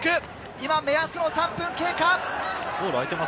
今、目安の３分経過。